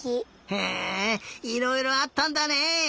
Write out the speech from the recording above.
へえいろいろあったんだね！